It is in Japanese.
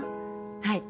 はい。